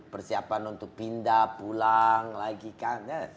persiapan untuk pindah pulang lagi kan